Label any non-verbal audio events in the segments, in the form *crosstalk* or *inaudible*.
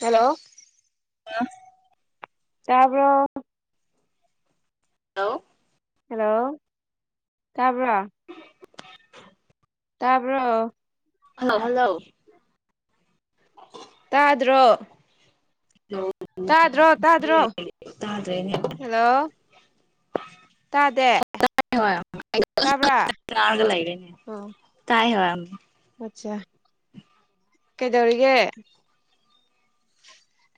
hello ꯑ ꯇꯥꯕ꯭ꯔꯣ hello hello ꯇꯥꯕ꯭ꯔ *unintelligible* ꯇꯥꯕ꯭ꯔꯣ ꯍꯜꯂꯣ ꯍꯜꯂꯣ ꯇꯥꯗ꯭ꯔꯣ ꯇꯥꯗ꯭ꯔꯣ ꯇꯥꯗ꯭ꯔꯣ ꯇꯥꯗ꯭ꯔꯦꯅꯦ ꯍꯜꯂꯣ ꯇꯥꯗꯦ ꯍꯣꯏ ꯇꯥꯕ꯭ꯔꯥ ꯇꯥꯔꯒ ꯂꯩꯔꯦꯅꯦ ꯑꯣ *unintelligible* ꯑꯆꯥ ꯀꯩꯗꯧꯔꯤꯒꯦ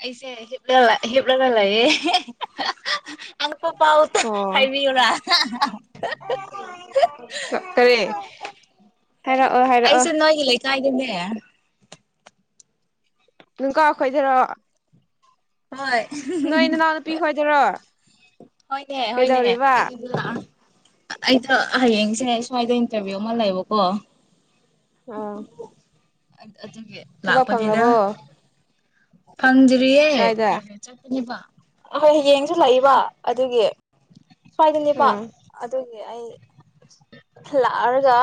ꯑꯩꯁꯦ ꯍꯤꯞꯂ ꯍꯤꯞꯂꯒ ꯂꯩꯌꯦ ꯑꯉꯛꯄ ꯄꯥꯎ ꯑꯣ ꯍꯥꯏꯕꯤꯌꯨꯔꯥ ꯀꯔꯤ ꯍꯥꯏꯔꯛꯑꯣ ꯍꯥꯏꯔꯛꯑꯣ ꯑꯩꯁꯦ ꯅꯣꯏꯒꯤ ꯂꯩꯀꯥꯏꯒꯤꯅꯦ ꯑꯦ ꯅꯨꯡꯀ ꯈꯣꯏꯗꯔꯣ ꯍꯣꯏ ꯅꯣꯏ ꯅꯅꯥꯎ ꯅꯨꯄꯤ ꯈꯣꯏꯗꯔꯣ ꯍꯣꯏꯅꯦ ꯍꯣꯏꯅꯦ ꯀꯩꯗꯧꯔꯤꯕ ꯑꯩꯗꯣ ꯍꯌꯦꯡꯁꯦ ꯁ꯭ꯋꯥꯏꯗ ꯏꯟꯇꯔꯚꯤꯌꯨ ꯑꯃ ꯂꯩꯕꯀꯣ ꯑꯥ ꯑꯗꯨꯒꯤ ꯊꯕꯛ ꯂꯥꯛꯄꯅꯤꯗ ꯐꯪꯔꯕ꯭ꯔꯣ ꯐꯪꯗ꯭ꯔꯤꯌꯦ ꯍꯌꯦꯡꯁꯨ ꯂꯩꯕ ꯑꯗꯨꯒꯤ ꯁ꯭ꯋꯥꯏꯗꯅꯦꯄꯥ ꯑꯥ ꯑꯗꯨꯒꯤ ꯑꯩ ꯂꯥꯛꯑꯒ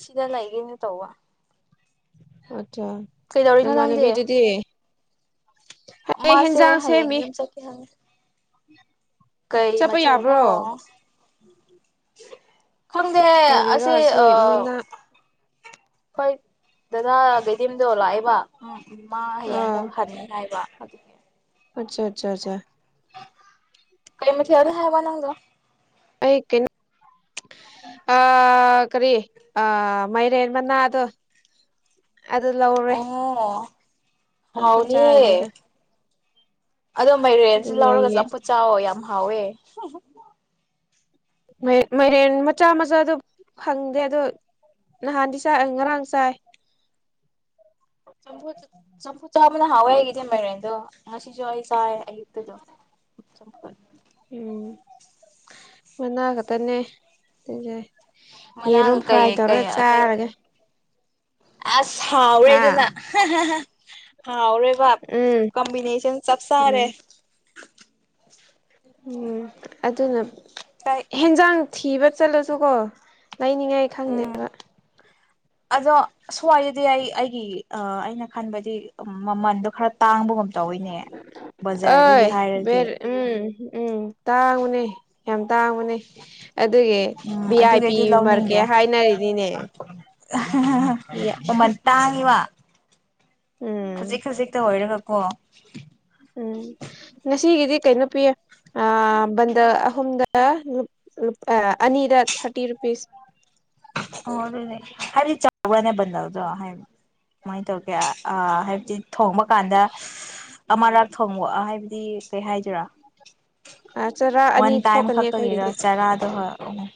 ꯁꯤꯗ ꯂꯩꯒꯦꯅ ꯇꯧꯕ *unintelligible* ꯑꯆꯥ ꯀꯩꯗꯧꯔꯤꯅꯣ ꯅꯪꯗꯤ ꯅꯃꯥꯟꯅꯕꯤꯗꯨꯗꯤ ꯑꯩ ꯃꯥꯁꯦ ꯍꯦꯟꯖꯥꯡ ꯁꯦꯝꯃꯤ ꯍꯥꯏꯌꯦꯡꯖꯦꯝ ꯆꯠꯀꯦ ꯍꯥꯏ ꯀꯩ ꯆꯠꯄ ꯌꯥꯕ꯭ꯔꯣ ꯃꯊꯦꯜꯅꫭ ꯈꯪꯗꯦ ꯀꯔꯤꯔꯣ ꯑꯁꯤꯁꯦ ꯑꯁꯤ ꯑ ꯃꯅꯥ ꯍꯣꯏ ꯗꯗꯥ ꯗꯩꯗꯤꯝꯗꯣ ꯂꯥꯛꯑꯦꯕ ꯎꯝ ꯃꯥ ꯍꯌꯦꯡꯕꯨ ꯑꯥ ꯈꯔꯅꯤ ꯍꯥꯏꯕ ꯑꯗꯨ ꯑꯆꯥꯆꯥꯆꯥ ꯀꯩ ꯃꯊꯦꯜꯅꯤ ꯍꯥꯏꯕ ꯅꯪꯗꫭ ꯑꯩ ꯀꯩꯅꫭ ꯑ ꯀꯔꯤ ꯑ ꯃꯩꯔꯦꯟ ꯃꯅꯥ ꯑ ꯑꯗꯨ ꯂꯧꯔꯦ ꯑꯣ ꯆꯝꯐꯨꯠ ꯍꯥꯎꯅꯤ ꯆꯥꯔꯒꯦ ꯑꯗꯨ ꯑꯗꯣ ꯃꯩꯔꯦꯟꯁꯨ ꯑꯗꯨꯒ ꯂꯧꯔꯒꯁꯨ ꯑꯃꯐꯠ ꯆꯥꯎꯋ ꯌꯥꯝ ꯍꯥꯎꯋꯦ ꯃꯥꯏꯔꯦꯟ ꯃꯆꯥ ꯃꯆꯥ ꯑꯗꯨ ꯐꯪꯗꯦ ꯑꯗ ꯅꯍꯥꯟꯗꯤ ꯆ ꯉꯔꯥꯡ ꯆꯥꯏ ꯆꯝꯐꯨ ꯆꯝꯐꯨ ꯆꯥꯕꯅ ꯍꯥꯎꯋꯦ ꯍꯥꯏꯈꯤꯗꯤ ꯃꯥꯏꯔꯦꯟꯗꯣ ꯉꯁꯤꯁꯨ ꯑꯩ ꯆꯥꯏ ꯑꯩ ꯆ *unintelligible* ꯃꯅꯥꯒꯗꯅꯦ ꯌꯦꯔꯨꯝ ꯃꯅꯥꯒ ꯀꯩ ꯐ꯭ꯔꯥꯏ ꯀꯩ ꯇꯧꯔꯒ ꯆꯥꯔꯒ ꯁꯥꯎꯔꯦꯗꯅ ꯍꯥꯎ ꯑꯣꯔꯦꯕ ꯎꯝ ꯀꯝꯕꯤꯅꯦꯁꯟ ꯆꯞ ꯎꯝ ꯁꯔꯦ ꯎꯝ ꯑꯗꯨꯅ ꯀꯥꯏ ꯍꯦꯟꯖꯥꯡ ꯊꯕ ꯆꯂꯁꯨ ꯀꯣ ꯂꯩꯅꯤꯉꯥꯏ ꯈꯪꯗꯦꯕ ꯎꯝ ꯑꯗꯣ ꯁ꯭ꯋꯥꯏꯗꯗꯤ ꯑꯩ ꯑꯩꯒꯤ ꯑꯩꯅ ꯈꯟꯕꯗꯤ ꯃꯃꯟꯗꯣ ꯈꯔ ꯇꯥꯡꯕꯒꯨꯝ ꯇꯧꯋꯤꯅꯦ ꯕꯖꯥꯔꯗꯒꯤ ꯍꯥꯏꯔꯗꯤ ꯑꯔ ꯎꯝ ꯎꯝ ꯌꯥꯝ ꯇꯥꯡꯕꯅꯦ ꯑꯗꯨꯒꯤ ꯎꯝ ꯚꯤ ꯑꯥꯏ ꯑꯗꯨꯒꯤ ꯄꯤ ꯑꯩꯗꯤ ꯂꯧꯅꯤꯡꯗꯦ ꯃꯥꯔꯀꯦꯠ ꯍꯥꯏꯅꯔꯤꯅꯤꯅꯦꯚ ꯍꯧꯖꯤꯛ ꯍꯧꯖꯤꯛꯛꯇ ꯑꯣꯏꯣꯏꯔ ꯈ ꯀꫭ ꯎꯝ ꯉꯁꯤꯒꯤꯗꯤ ꯀꯩꯅꯣ ꯄꯤꯌꯦ ꯕꯟꯗꯜ ꯑꯍꯨꯝꯗ ꯑꯅꯤꯗ ꯊꯥꯔꯇꯤ ꯔꯨꯄꯤꯁ ꯑꯣ ꯑꯗꯨꯅꯦ ꯍꯥꯏꯕꯗꯤ ꯆꯥꯎꯔꯅꯦ ꯕꯟꯗꯜꯗꯣ ꯍꯥꯏ ꯀꯨꯃꯥꯏꯅ ꯇꯧꯒꯦ ꯍꯥꯏꯕꯗꯤ ꯊꯣꯡꯕ ꯀꯥꯟꯗ ꯑꯃꯔꯛ ꯊꯣꯛꯑꯣ ꯍꯥꯏꯕꯗꯤ ꯀꯩ ꯍꯥꯏꯗꯣꯏꯔꯥ ꯆꯔꯥ ꯑꯅꯤ ꯋꯥꯟ ꯇꯥꯏꯝ ꯊꯣꯛꯀꯅꯤ ꯈꯛꯇꯒꯤꯔ ꯑꯩꯈꯣꯏꯒꯤꯗꯤ ꯆꯥꯔꯥꯗꯣ ꯍꯣꯏ *unintelligible*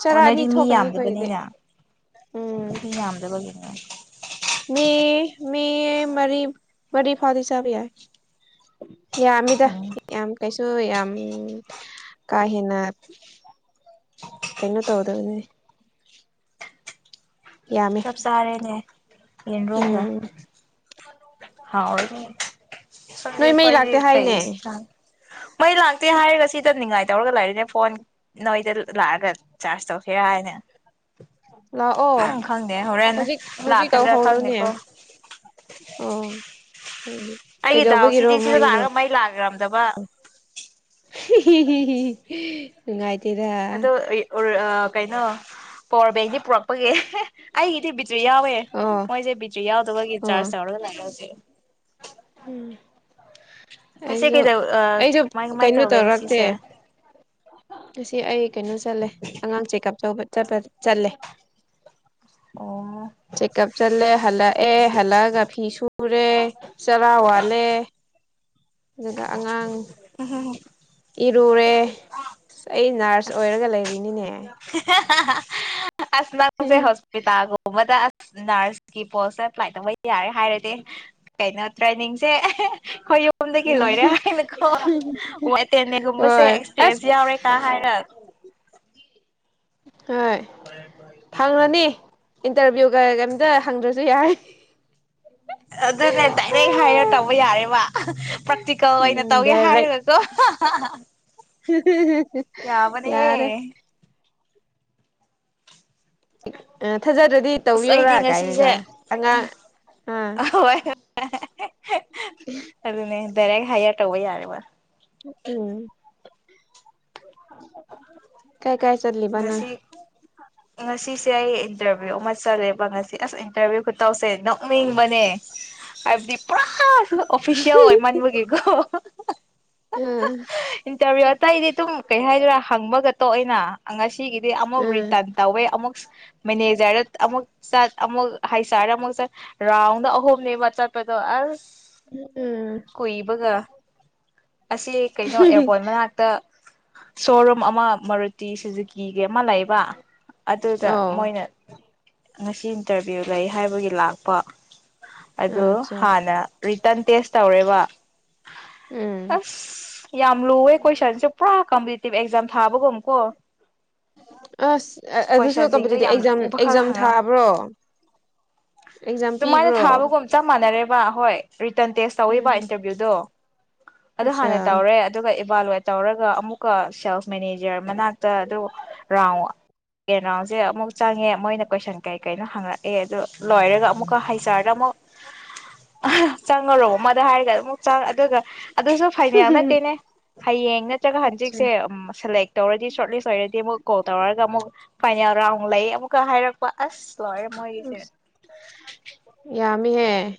ꯆꯔꯥ ꯑꯅꯤ ꯊꯣꯛꯀꯅꯤ ꯑꯩꯈꯣꯏꯒꯤꯗꯤ ꯕꯅꯤꯅ ꯎꯝ ꯃꯤ ꯌꯥꯝꯗꯕꯒꯤꯅꯦ ꯃꯤ ꯃꯤ ꯃꯔꯤ ꯃꯔꯤ ꯐꯥꯗꯦ ꯆꯥꯕ ꯌꯥꯏ ꯌꯥꯃꯤꯗ ꯎꯝ ꯌꯥꯝ ꯀꯩ ꯁꯨ ꯌꯥꯝ ꯀꯥ ꯍꯦꯟꯅ ꯀꯩꯅꯣ ꯇꯧꯗꯕꯅꯦ ꯆꯞ ꯆꯥꯔꯦꯅꯦ ꯎꯝ *unintelligible* *unintelligible* ꯍꯥꯎꯑꯅꯦ ꯈꯪꯗꯦ ꯅꯣꯏ ꯃꯩ ꯑꯩꯈꯣꯏꯗꯤ ꯂꯥꯛꯇꯦ ꯀꯩ ꯍꯥꯏꯅꯦ ꯏꯟꯁꯥꯡ ꯃꯩ ꯂꯥꯛꯇꯦ ꯍꯥꯏꯔꯒ ꯁꯤꯗ ꯅꯤꯡꯉꯥꯏ ꯇꯧꯔꯒ ꯂꯩꯔꯤꯅꯦ ꯐꯣꯟ ꯅꯣꯏꯗ ꯂꯥꯛꯑꯒ ꯆꯥꯔꯖ ꯇꯧꯁꯤꯔꯥ ꯍꯥꯏꯅꯦ ꯂꯥꯛꯑꯣ ꯈꯪꯗꯦ ꯍꯣꯔꯦꯟ ꯍꯧꯖꯤꯛ ꯍꯧꯖꯤꯛ ꯂꯥꯛꯀꯗ꯭ꯔꯥ ꯇꯧꯍꯧꯔꯣꯅꯦ ꯈꯪꯗꯦꯀꯣ ꯑꯣ ꯑꯩ ꯀꯩꯗꯧꯕꯒꯤꯔꯣ ꯗꯥꯎꯁꯤꯗꯤ ꯁꯤꯗ ꯃꯣꯏꯗꯣ ꯂꯥꯛꯑꯒ ꯃꯩ ꯂꯥꯛꯔꯝ ꯗꯕ ꯅꯨꯡꯉꯥꯏ ꯑꯗꯣ ꯀꯩꯅꯣ ꯄꯋꯥꯔ ꯕꯦꯡꯗꯤ ꯄꯨꯔꯛꯄꯒꯤ ꯑꯩꯒꯤꯗꯤ ꯕꯤꯠꯆꯨ ꯌꯥꯎꯋꯦ ꯑꯣ ꯃꯣꯏꯁꯦ ꯕꯤꯆꯨ ꯌꯥꯎꯗꯕꯒꯤ ꯑꯣ ꯆꯥꯔꯖ ꯌꯥꯧꯔꯒ ꯂꯥꯛꯁꯦ ꯎꯝ ꯉꯁꯤ ꯑꯩꯁꯨ ꯀꯩꯗꯧ ꯑꯩꯁꯨ ꯀꯃꯥꯏ ꯀꯃꯥꯏ ꯀꯩꯅꯣ ꯇꯧꯒꯦ ꯇꯧꯔꯛꯇꯦ ꯉꯁꯤꯁꯦ ꯉꯁꯤ ꯑꯩ ꯀꯩꯅꯣ ꯆꯠꯂꯦ ꯑꯉꯥꯡ ꯆꯦꯛꯑꯞ ꯇꯧꯕ ꯆꯄ ꯆꯠꯂꯦ ꯑꯣ ꯆꯦꯛꯀꯞ ꯆꯂꯦ ꯍꯂꯛꯑꯦ ꯍꯂꯛꯑꯒ ꯐꯤ ꯁꯨ ꯎꯔꯦ ꯆꯔꯥ ꯋꯥꯠꯂꯦ ꯑꯗꯨꯒ ꯑꯉꯥꯡ *unintelligible* ꯏꯔꯨꯔꯦ ꯑꯩ ꯅꯔꯁ ꯑꯣꯏꯔꯒ ꯂꯩꯔꯤꯅꯤꯅꯦ *unintelligible* ꯑꯁ ꯅꯪꯁꯦ ꯍꯣꯁꯄꯤꯇꯥꯜ ꯒꯨꯝꯕꯗ ꯅꯔꯁꯀꯤ ꯄꯣꯁꯁꯦ ꯑꯦꯄ꯭ꯂꯥꯏ ꯇꯧꯕ ꯌꯥꯔꯦ ꯍꯥꯏꯔꯗꯤ ꯀꯩꯅꯣ ꯇ꯭ꯔꯦꯅꯤꯡꯁꯦ ꯑꯩꯈꯣꯏ ꯁꯣꯝꯗꯒꯤ ꯂꯣꯏꯔꯦ ꯍꯥꯏꯅꯀꯣ ꯍꯣꯏ ꯑꯁ ꯑꯦꯛꯁꯄꯤꯔꯤꯟꯁ ꯌꯥꯎꯔꯦꯀ ꯍꯥꯏꯔ ꯍꯣꯏ ꯄ꯭ꯔꯥꯏ ꯄ꯭ꯔꯥꯏ ꯐꯪꯉꯅꯤ ꯏꯟꯇꯔꯚꯤꯌꯨꯒ ꯀꯩꯝꯇ ꯍꯪꯗ꯭ꯔꯁꯨ ꯌꯥꯏ ꯑꯗꯨꯅꯦ ꯗꯥꯏꯔ ꯍꯥꯏꯔ ꯇꯧꯕ ꯌꯥꯔꯦꯕ ꯄ꯭ꯔꯥꯛꯇꯤꯀꯦꯜ ꯑꯣꯏꯅ ꯎꯝ ꯇꯧꯒꯦ ꯗꯥꯏꯔꯦꯛ ꯍꯥꯏꯔꯨꯔꯁꯨ ꯌꯥꯕꯅꯦꯍ ꯌꯥꯔꯦ ꯊꯥꯖꯗ꯭ꯔꯗꯤ ꯑꯁ ꯑꯩꯗꯤ ꯇꯧꯕꯤꯌꯔꯥ ꯉꯁꯤꯁꯦ ꯀꯥꯏꯅꯒꯣ ꯑꯉꯥꯡ ꯑꯥ ꯑꯗꯨꯗꯅꯦ ꯕꯔꯒ ꯍꯥꯏꯌꯦ ꯇꯧꯕ ꯌꯥꯔꯦꯕ ꯎꯝ ꯀ ꯉꯁꯤ ꯉꯁꯤ ꯑꯩ ꯏꯟꯇꯔꯚꯤꯌꯨ ꯑꯃ ꯆꯠꯂꯦꯕ ꯉꯁꯤ ꯑꯁ ꯏꯟꯇꯔꯚꯤꯌꯨ ꯈꯨꯇꯧꯁꯦ ꯅꯣꯛꯅꯤꯡꯕꯅꯦ ꯍꯥꯏꯕꯗꯤ ꯄꯨꯔꯥ ꯑꯣꯐꯤꯁꯌꯦꯜ ꯑꯣꯏ ꯃꯟꯕꯨꯒꯤꯀꯣ ꯎꯝ ꯏꯟꯇꯔꯚꯤꯌꯨ ꯑꯇꯩ ꯑꯩꯗꯤ ꯇꯨꯝ ꯀꯩ ꯍꯥꯏꯗꯣꯏꯔꯥ ꯍꯪꯕꯒ ꯇꯣ ꯑꯩꯅ ꯑꯉꯥꯡ ꯁꯤꯒꯤꯗꯤ ꯑꯃꯨꯛ ꯎꯝ ꯔꯤꯇꯟ ꯇꯧꯋꯦ ꯑꯃꯨꯛ ꯃꯦꯅꯦꯖꯔꯗ ꯑꯃꯨꯛ ꯆ ꯑꯃꯨꯛ ꯍꯩꯁꯥꯔꯗ ꯑꯃꯨꯛ ꯆ ꯔꯥꯎꯟꯗ ꯑꯍꯨꯝꯅꯦꯕ ꯆꯠꯄꯗꯣ ꯑꯁ ꯎꯝ ꯀꯨꯏꯕꯒ ꯑꯁꯤ ꯀꯩꯅꯣ ꯑꯦꯌꯥꯔꯄꯣꯟꯠ ꯃꯅꯥꯛꯇ ꯁꯣꯔꯣꯝ ꯑꯃ ꯃ ꯆꯤꯁꯖꯤ ꯀꯤꯒꯦ ꯑꯃ ꯂꯩꯕ ꯑꯗꯨꯗ ꯑꯣ ꯃꯣꯏꯅ ꯉꯁꯤ ꯏꯟꯇꯔꯚꯤꯌꯨ ꯂꯩ ꯍꯥꯏꯕꯒꯤ ꯂꯥꯛꯄ ꯑꯗ ꯑꯠꯆꯥ ꯍꯅ ꯇꯟ ꯇꯦꯁ ꯇꯧꯔꯦꯕ ꯎꯝ ꯑꯁ ꯌꯥꯝ ꯂꯨꯋꯦ ꯀꯣꯏꯁꯟꯁꯦ ꯄꯨꯔꯥ ꯀꯝꯄꯤꯇꯤꯇꯤꯚ ꯑꯦꯛꯖꯥꯝ ꯊꯥꯕꯒꯨꯝ ꯀꯣ ꯑꯁ ꯑꯗꯨꯁꯨ ꯀꯣꯏꯁꯟꯁꯤꯡꯗꯣ ꯀꯄꯗꯤ ꯌꯥꯝ ꯑꯦꯖꯥꯝ ꯂꯨꯕ ꯈꯔ ꯑꯦꯛꯖꯥꯝ ꯍꯪꯉꯛ ꯊꯥꯕ꯭ꯔꯣ ꯑꯦꯛꯖꯥꯝ ꯄꯤꯕ꯭ꯔꯣ ꯋꯥ ꯍꯣꯏ ꯔꯤꯇꯟ ꯇꯦꯁ ꯎꯝ ꯇꯧꯋꯕ ꯏꯟꯇꯔꯚꯤꯌꯨꯗꯣ ꯑꯗꯨ ꯑꯠꯆꯥ ꯍꯥꯟꯅ ꯇꯧꯔꯦ ꯑꯗꯨꯒ ꯕꯥꯜ ꯂꯣꯏ ꯇꯧꯔꯒ ꯑꯃꯨꯛꯀ ꯁꯦꯜꯁ ꯃꯦꯅꯦꯖꯔ ꯃꯅꯥꯛ ꯇ ꯑꯗꯨ ꯔꯥꯎꯟꯦꯟ ꯔꯥꯎꯟꯁꯦ ꯑꯃꯨꯛ ꯆꯪꯉꯦ ꯃꯣꯏꯅ ꯀꯣꯏꯁꯟ ꯀꯩ ꯀꯩꯅꯣ ꯍꯪꯉꯛꯑꯦ ꯑꯗꯨ ꯂꯣꯏꯔꯒ ꯑꯃꯨꯛꯀ ꯍꯩꯖꯥꯔꯗ ꯑꯃꯨꯛ ꯆꯉꯔꯣ ꯑꯃꯗ ꯍꯥꯏꯔꯒ ꯑꯗꯨꯨꯛ ꯆꯥꯡ ꯑꯗꯨꯒ ꯑꯗꯨꯁꯨ ꯐꯥꯏꯅꯦꯜ ꯅꯠꯇꯦꯅꯦ ꯍꯌꯦꯡ ꯅꯠꯇ꯭ꯔꯒ ꯑꯠꯆꯥ ꯍꯟꯖꯤꯛꯁꯦ ꯁꯦꯂꯦꯛ ꯇꯧꯔꯗꯤ ꯀꯣꯜ ꯇꯧꯔꯒ ꯑꯃꯨꯛ *unintelligible* ꯌꯥꯔꯥꯎ ꯂꯩ ꯑꯃꯨꯛꯀ ꯍꯥꯏꯔꯛꯄ ꯑꯁ ꯂꯣꯏꯔꯦ ꯃꯣꯏꯒꯤꯁꯦ ꯃꯤ ꯍꯦ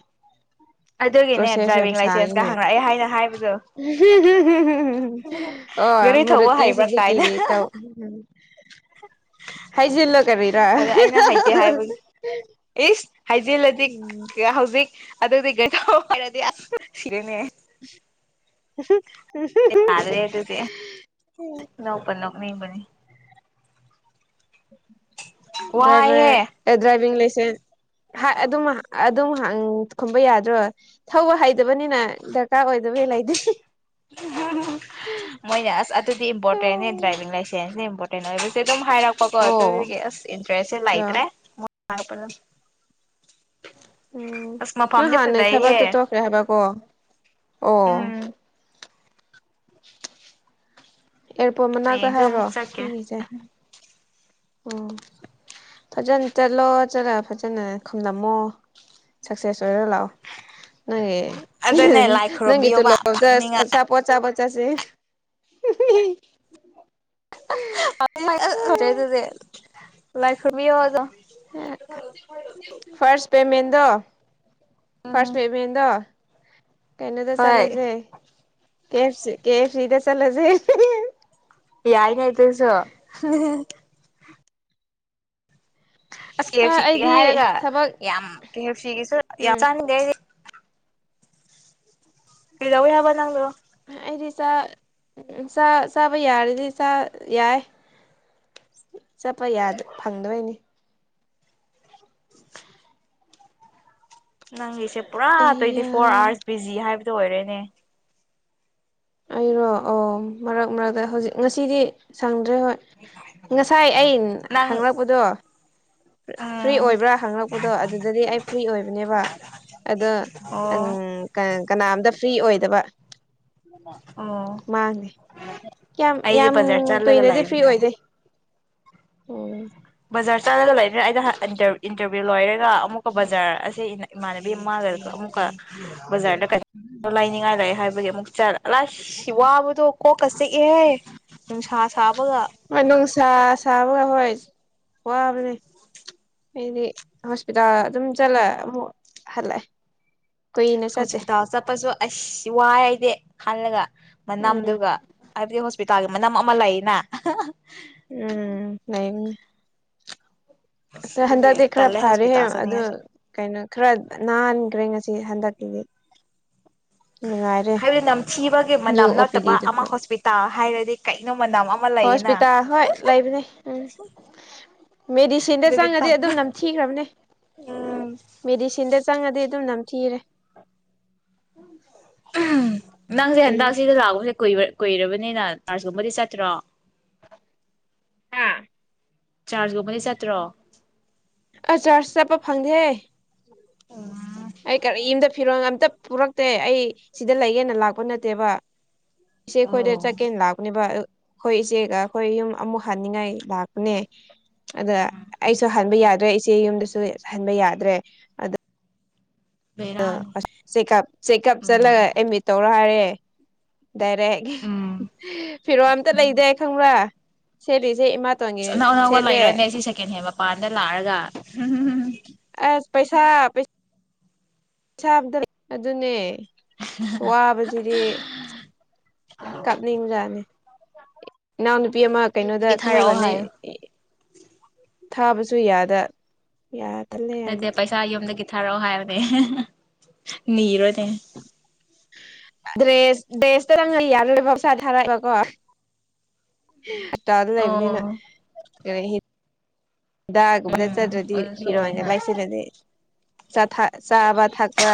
ꯑꯗꯨꯒꯤꯅꯦ ꯄ꯭ꯔꯣꯁꯦꯁ ꯌꯥꯝ ꯗ꯭ꯔꯥꯏꯚꯤꯡ ꯂꯥꯏꯁꯦꯟꯁꯀ ꯁꯥꯡꯉꯤꯅꯦ ꯍꯪꯉꯛꯑꯦ ꯍꯥꯏꯅ ꯍꯥꯏꯕꯗꯣ ꯑꯣ ꯒꯥꯔꯤ ꯊꯧꯕ ꯃꯨꯔꯨꯇꯤ ꯍꯩꯕ꯭ꯔꯥ ꯁꯨꯖꯨꯀꯤ ꯀꯥꯏꯅ ꯇꯧ ꯍꯥꯏꯖꯜꯂ ꯀꯔꯤꯔ ꯑꯗ ꯑꯩꯅ ꯍꯩꯇꯦ ꯍꯥꯏꯕꯒꯤ ꯏꯁ ꯍꯥꯏꯖꯤꯜꯂꯗꯤ ꯍꯧꯖꯤꯛ ꯑꯗꯨꯗꯤ ꯒꯔꯤ ꯊꯧ ꯍꯩꯔꯗꯤ ꯑꯁ ꯁꯤꯔꯦꯅꯦ ꯌꯥꯗ꯭ꯔꯦ *unintelligible* ꯃꯦꯡꯕꯅꯤ ꯋꯥꯏꯍꯦ ꯗ꯭ꯔꯥꯏꯚꯔ ꯗ꯭ꯔꯥꯏꯚꯤꯡ ꯂꯥꯏꯁꯦꯟꯁ ꯑꯗꯨꯝ ꯑꯗꯨꯝ ꯍ ꯈꯨꯝꯕ ꯌꯥꯗ꯭ꯔꯣ ꯊꯧꯕ ꯍꯩꯇꯕꯅꯤꯅ ꯗꯔꯀꯥꯔ ꯑꯣꯏꯗꯕꯩ ꯂꯩꯇꯦ ꯃꯣꯏꯅꯦ ꯑꯁ ꯑꯗꯨꯗꯤ ꯏꯝꯄꯣꯔꯇꯦꯟ ꯗ꯭ꯔꯥꯏꯚꯤꯡ ꯂꯥꯏꯁꯦꯟꯁꯅꯦ ꯏꯝꯄꯣꯔꯇꯦꯟ *unintelligible* ꯑꯗꯨꯝ ꯍꯥꯏꯔꯛꯄꯀꯣ ꯑꯣ ꯑꯗꯨꯒꯤ ꯑꯁ ꯏꯟꯇꯔꯦꯁꯁꯦ ꯑꯠꯆꯥ ꯂꯩꯇ꯭ꯔꯦ *unintelligible* ꯎꯝ ꯑꯁ ꯅꯪ ꯃꯐꯝꯗꯤ ꯍꯥꯟꯅꯩ ꯐꯖꯩꯍꯦ ꯊꯕꯛꯇꯣ ꯇꯣꯛꯈ꯭ꯔꯦ ꯍꯥꯏꯕꯀꯣ ꯑꯣ ꯎꯝ *unintelligible* ꯑꯦꯌꯥꯔꯄꯣꯔꯠ ꯃꯅꯥꯛꯇ ꯍꯌꯦꯡꯁꯨ ꯍꯥꯏꯔꯣ ꯑꯃꯨꯛ ꯆꯠꯀꯦ ꯅꯪꯒꯤꯁꯦ ꯎꯝ ꯐꯖꯅ ꯆꯠꯂꯣ ꯆꯠꯂꯒ ꯐꯖꯅ ꯈꯨꯝꯂꯝꯃꯣ ꯁꯛꯁꯦꯁ ꯂꯩꯔꯣ ꯂꯥꯛꯑꯣ ꯅꯪꯒꯤ ꯑꯗꯨꯅꯦ ꯂꯥꯏ ꯅꯪ ꯈꯨꯔꯨꯝꯕꯤꯌꯣꯕ ꯇꯣꯂꯣꯞꯗ ꯐꯪꯅꯤꯡꯉꯥꯏ ꯑꯆꯥꯄꯣꯠ ꯆꯥꯕ ꯆꯠꯁꯦ ꯂꯣꯏꯔꯦ ꯑꯗꯨꯗꯤ ꯂꯥꯏ ꯈꯨꯔꯨꯝꯕꯤꯌꯣ ꯑꯗꯣ *unintelligible* ꯗꯣ ꯎꯝ ꯐꯔꯁ ꯄꯦꯃꯦꯟꯗꯣ ꯀꯩꯅꯣꯗ ꯍꯣꯏ ꯆꯠꯂꯁꯦ ꯀꯦꯞꯁꯤ ꯀꯦ ꯐ ꯁꯤ ꯗ ꯆꯠꯂꯁꯤ ꯌꯥꯏꯅꯦ ꯑꯗꯨꯁꯨ ꯑ ꯀꯦ ꯍꯥ ꯑꯦꯐ ꯁꯤꯒꯤ ꯑꯩꯗꯤ ꯍꯥꯏꯔꯒ ꯊꯕꯛ ꯌꯥꯝ ꯀꯦ ꯑꯦꯐ ꯁꯤꯒꯤꯁꯨ ꯌꯥꯝ ꯎꯝ ꯆꯥꯅꯤꯡꯗꯦ ꯑꯩꯗꯤ ꯏꯟꯂꯧꯏ ꯍꯥꯏꯕ ꯅꯪꯗꯨ ꯑꯩꯗꯤ ꯆ ꯆꯥꯕ ꯌꯥꯔꯗꯤ ꯆ ꯌꯥꯏ ꯆꯠꯄ ꯐꯪꯗꯣꯏꯅꯤ ꯅꯪꯒꯤꯁꯦ ꯄꯨꯔꯥ ꯇ꯭ꯋꯦꯟꯇꯤ ꯑꯩꯌꯥ ꯐꯣꯔ ꯑꯋꯥꯔꯁ ꯕꯤꯖꯤ ꯍꯥꯏꯕ ꯑꯣꯏꯔꯦꯅꯦ ꯑꯩꯔꯣ ꯑꯣ ꯃꯔꯛ ꯃꯔꯛꯇ ꯍꯧꯖꯤꯛ ꯉꯁꯤꯗꯤ ꯁ ꯑꯗꯨ ꯍꯣꯏ ꯉꯁꯥꯏ ꯑꯩ ꯅꯪ ꯍꯪꯪꯂꯛꯄꯗꯣ ꯐ꯭ꯔꯤ ꯎꯝ ꯑꯣꯏꯕ꯭ꯔꯥ ꯍꯪꯂꯛꯄꯗꯣ ꯑꯗꯨꯗꯗꯤ ꯑꯩ ꯐ꯭ꯔꯤ ꯑꯣꯏꯕꯅꯦꯕ ꯑꯗꯣ ꯎ ꯑꯣ ꯀꯅꯥꯝꯇ ꯐ꯭ꯔꯤ ꯑꯣꯏꯗꯕ ꯑꯣ ꯃꯥꯡꯅꯦꯦ ꯀꯌꯥꯝ ꯑꯩꯗꯤ ꯌꯥꯝ ꯕꯖꯥꯔ ꯆꯠꯂꯒ ꯀꯨꯏꯅꯗꯤ ꯐ꯭ꯔꯤ ꯂꯩꯕꯅꯦ ꯑꯣꯏꯗꯩ ꯎꯝ ꯕꯖꯔ ꯆꯥꯔ ꯂꯩꯔꯅ ꯑꯩꯩꯅ ꯏꯟꯇꯔꯚꯤꯌꯨ ꯂꯣꯏꯔꯦ ꯑꯃꯨꯛꯀ ꯕꯖꯥꯔ ꯑꯁꯤ ꯃꯥꯅꯦ ꯗꯦ ꯃꯥꯒꯒ ꯑꯃꯨꯛꯀ ꯕꯖꯥꯔꯗ ꯂꯥꯏꯅꯤꯡꯉꯥꯏ ꯂꯩꯥꯏꯑꯦ ꯍꯥꯏꯕꯒꯤ ꯑꯃꯨꯛ ꯆꯠꯂꯦ ꯑꯂꯥꯏ ꯁꯤ ꯋꯥꯕꯗꯣ ꯀꯣꯛꯀ ꯆꯤꯛꯑꯦ ꯅꯨꯡꯁꯥ ꯁꯥꯕꯒ ꯍꯣꯏ ꯅꯣꯡ ꯆꯥ ꯆꯥ ꯍ ꯋꯥꯕꯅꯦ ꯑꯩꯗꯤ ꯍꯣꯁꯄꯤꯇꯥꯜ ꯑꯗꯨꯝ ꯆꯠꯂ ꯑꯃꯨꯛ ꯍꯜꯂꯛꯑꯦ ꯀꯨꯏꯅ ꯆꯠꯇꯦ ꯍꯣꯁꯄꯤꯇꯥꯜ ꯆꯠꯄꯁꯨ ꯑꯁ ꯋꯥꯏ ꯍꯥꯏꯗꯤꯦ ꯈꯜꯂꯒ ꯎꯝ ꯃꯅꯝꯗꯨꯒ ꯑꯁꯄꯤꯇꯥꯒꯤ ꯃꯅꯝ ꯑꯃ ꯂꯩꯅ ꯎꯝ ꯂꯩ ꯑ ꯑꯗꯨꯒꯤ ꯍꯟꯗꯛꯇꯤ ꯈꯔ ꯇꯜꯂꯦ ꯐꯔꯦꯦ ꯍꯣꯁꯄꯤꯇꯥꯜ ꯑꯗꯨ ꯆꯠꯅꯤꯡꯉꯥꯏꯁꯨ ꯀꯩꯅꯣ ꯈꯔ ꯅꯥꯍꯟꯈ꯭ꯔꯦ ꯉꯁꯤ ꯍꯟꯗꯛ ꯂꯩ ꯍꯥꯏꯕꯗꯤ ꯅꯝꯊꯤꯕꯒꯤ ꯅ꯭ꯌꯨ ꯃꯅꯝ ꯑꯣ ꯄꯤ ꯅꯠꯇꯕ ꯗꯤꯗꯨ ꯑꯃ ꯍꯣꯁꯄꯤꯇꯥꯜ ꯍꯥꯏꯔꯗꯤ ꯀꯩꯅꯣ ꯃꯅꯝ ꯑꯃ ꯂꯩꯌꯦꯅ ꯍꯣꯁꯄꯤꯇꯥꯜ ꯍꯣꯏ ꯂꯩꯕꯅꯦ ꯎꯝ ꯃꯦꯗꯤꯁꯤꯟꯗ ꯑꯗꯨꯒꯤ ꯆꯪꯉꯗꯤ ꯇꯟꯕ ꯑꯗꯨꯝ ꯅꯝꯊꯤꯈ꯭ꯔꯕꯅꯦ ꯎꯝ ꯃꯦꯗꯤꯁꯤꯟꯗ ꯆꯪꯉꯗꯤ ꯑꯗꯨꯝ ꯅꯝꯊꯤꯔꯦ ꯎꯝ ꯅꯪꯁꯦ ꯍꯦꯟꯗ ꯑꯩ ꯑꯁꯤ ꯁꯤ ꯂꯥꯛꯒ ꯀꯨ ꯀꯨꯏꯔꯕꯅꯤꯅ ꯆꯥꯔꯖꯀꯨꯝꯕꯗꯤ ꯆꯠꯇ꯭ꯔꯣ ꯍꯥꯥ ꯆꯥꯔꯖꯀꯨꯝꯕꯗꯤ ꯆꯠꯇ꯭ꯔꯣ ꯑ ꯆꯥꯔꯆ ꯆꯠꯄ ꯐꯪꯗꯦ ꯑꯩ ꯀꯔꯤꯝꯇ ꯐꯤꯔꯣꯟꯒ ꯑꯝꯇ ꯄꯨꯔꯛꯇꯦ ꯑꯩ ꯁꯤꯗ ꯂꯩꯒꯦꯅ ꯂꯥꯛꯄ ꯅꯠꯇꯦꯕ ꯏꯦ ꯑꯩꯈꯣꯏꯗ ꯑꯣ ꯆꯠꯀꯦꯅ ꯂꯥꯛꯀꯅꯦꯕ ꯑꯩꯈꯣꯏ ꯏꯆꯦꯒ ꯑꯩꯈꯣꯏ ꯌꯨꯝ ꯑꯃꯨꯛ ꯍꯟꯅꯤꯡꯉꯥꯏ ꯂꯥꯛꯄꯅꯦ ꯑꯗ ꯑꯩꯁꯨ ꯍꯟꯕ ꯌꯥꯗ꯭ꯔꯦ ꯏꯆꯦ ꯌꯨꯝꯗꯁꯨ ꯍꯟꯕ ꯌꯥꯗ꯭ꯔꯦ ꯑꯗ ꯕꯦꯔꯥꯅꯤ ꯑ ꯆꯦꯀꯞ ꯆꯦꯛꯀꯞ ꯎꯝ ꯆꯠꯂꯒ ꯑꯦꯃꯤꯠ ꯇꯧꯔ ꯍꯥꯏꯔꯦ *inaudible* ꯗꯥꯏꯔꯦꯛ ꯎꯝ ꯐꯤꯔꯣ ꯑꯝꯇ ꯂꯩꯗꯦ ꯈꯪꯕ꯭ꯔꯥ ꯁꯔꯤ ꯑꯅꯧ ꯑꯅꯧꯕ ꯂꯩꯔꯣꯅꯦ ꯁꯤ ꯁꯦꯀꯦꯟ ꯍꯦꯟ ꯗꯥ ꯂꯛꯑꯔꯒꯥ ꯑꯁ ꯄꯩꯁꯥ ꯄꯩꯁ ꯁꯥꯕꯗ ꯑꯗꯨꯅꯦ ꯋꯥꯕꯁꯤꯗꯤ ꯀꯞꯅꯤꯡꯕꯥꯖꯅꯦ ꯏꯅꯥꯎ ꯏꯕꯦꯝꯃꯥ ꯀꯩꯅꯣꯗ ꯌꯨꯝꯗꯒꯤ ꯊꯥꯔꯛꯑꯣ ꯊꯥꯡꯃꯩꯕꯟꯗ ꯍꯥꯏꯌꯣ ꯊꯥꯕꯁꯨ ꯌꯥꯗ ꯌꯥ ꯇꯜꯂꯦ ꯌꯥꯝ ꯅꯠꯇ ꯄꯩꯁꯥ ꯑꯣꯗ ꯊꯥꯔꯛꯑꯣ ꯍꯥꯏꯕꯅꯦ ꯅꯤꯔꯣꯅꯦ ꯗ꯭ꯔꯦꯁ ꯗ꯭ꯔꯦꯁꯇ ꯅꯪ ꯌꯥꯔꯕꯁ ꯊꯔꯑꯒꯀꯣ *inaudible* ꯗ ꯂꯩꯕꯅꯤꯅ ꯑꯣ *inaudible* ꯗꯥꯒꯨꯝꯕꯗ ꯎꯝ ꯆꯗ꯭ꯔꯗꯤ ꯑꯗꯨꯁꯨ ꯑꯣꯏ ꯐꯤꯔꯣꯟꯒ ꯍꯣꯏ ꯂꯥꯏꯁꯤꯗꯗꯤ ꯆꯥꯕ ꯊꯛꯄ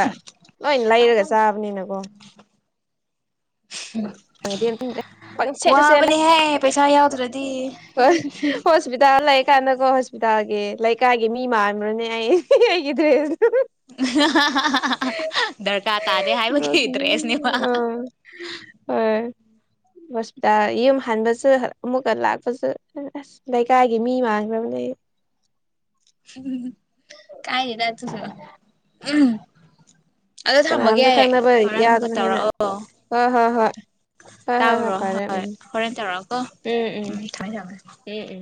ꯂꯣꯏ ꯂꯩꯔꯒ ꯆꯥꯕꯅꯤꯅꯀꯣ *unintelligible* ꯋꯥꯕꯅꯦꯍꯦ ꯄꯩꯁꯥ ꯌꯥꯎꯗ꯭ꯔꯗꯤ ꯀꯥꯟꯗꯀꯣ ꯍꯣꯁꯄꯤꯇꯥꯜꯒꯤ ꯂꯩꯀꯥꯏꯒꯤ ꯃꯤ ꯃꯥꯟꯕ꯭ꯔꯅꯦ ꯑꯩ ꯑꯩꯒꯤ *unintelligible* *unintelligible* ꯗꯔꯀꯥꯔ *unintelligible* ꯇꯥꯗꯦ ꯍꯥꯏꯕꯒꯤ ꯗ꯭ꯔꯦꯁꯅꯦꯕ *unintelligible* ꯑꯥ ꯍꫭꯏ ꯍꯁꯄꯤꯇꯜ ꯌꯨꯝ ꯍꯟꯕꯁꯨ ꯑꯃꯨꯛꯀ ꯂꯥꯛꯄꯁꯨ ꯑꯁ ꯂꯩꯀꯥꯏꯒꯤ ꯃꯤ ꯃꯥꯡꯈ꯭ꯔꯕꯅꯦ ꯑꯩ *unintelligible* ꯀꯥꯏꯅꯤꯗ ꯑꯗꯨꯁꯨ ꯎꯝ ꯑꯗꯣ ꯊꯝꯃꯒꯦ ꯀꯅꯥꯝꯇ ꯌꯥ ꯈꯪꯅꯕ ꯍꯣꯔꯦꯟ ꯑꯃꯨꯛꯀ ꯌꯥꯗꯕꯅꯤꯅ ꯇꯧꯔꯛꯑꯣ ꯍꯣꯏ ꯍꯣꯏ ꯍꯣꯏ ꯍꯣꯏ ꯍꯣꯏ ꯇꯥꯕꯨꯔꯣ ꯐꯔꯦ ꯍꯣꯏ ꯎꯝ ꯍꯣꯔꯦꯟ ꯇꯧꯔꯛꯑꯣ ꯀꯣ ꯎꯝ ꯊꯝꯃꯦ ꯊꯝꯃꯦ ꯎꯝ